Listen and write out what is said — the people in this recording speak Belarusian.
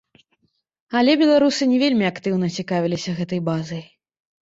Але беларусы не вельмі актыўна цікавіліся гэтай базай.